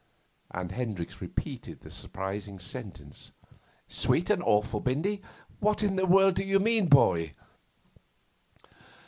And Hendricks repeated the surprising sentence. 'Sweet and awful, Bindy! What in the world do you mean, boy?